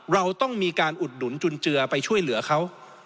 เราต้องมีการอุดหนุนจุนเจือไปช่วยเหลือเขา